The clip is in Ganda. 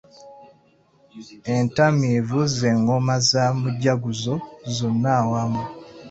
Entamiivu z’engoma za mujaguzo zonna awamu.